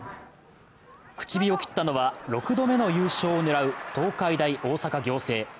口火を切ったのは、６度目の優勝を狙う東海大大阪仰星。